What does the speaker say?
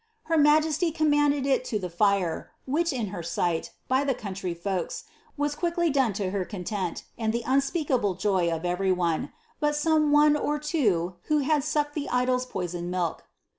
^ Her majesty commanded it to the Sre^ irhich, in her sight, by the country folks, was quickly done to her eon lenL, and the unspeakable joy of every one, but some one or two who lad sucked the idol's poisoned milk."